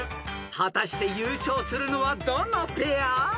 ［果たして優勝するのはどのペア？］